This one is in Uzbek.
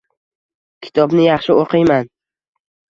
Kitobni yaxshi oʻqiyman